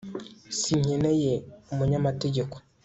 sinkeneye umunyamategeko